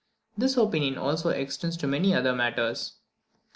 This opinion also extends to many other matters.